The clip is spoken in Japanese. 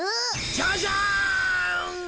ジャジャン！